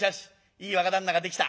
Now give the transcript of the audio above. いい若旦那ができた。